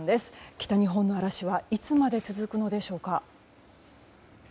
北日本の嵐はいつまで続くのでしょうか？